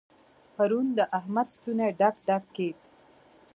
پرون د احمد ستونی ډک ډک کېد.